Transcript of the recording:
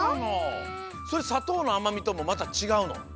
それさとうのあまみともまたちがうの？